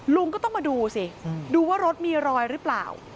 ลุงก็ต้องมาดูสิดูว่ารถมีรอยหรือเปล่า